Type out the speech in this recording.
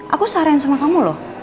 aku saran sama kamu loh